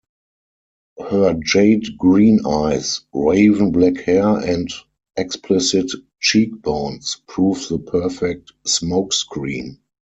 Her jade green eyes, raven black hair and "explicit cheekbones" prove the perfect smokescreen.